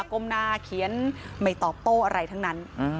ก้มหน้าเขียนไม่ตอบโต้อะไรทั้งนั้น